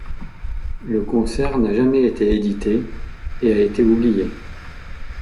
Le concert n'a jamais été édité et a été oublié.